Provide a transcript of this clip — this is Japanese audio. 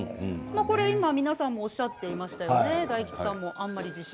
皆さんもおっしゃってましたね。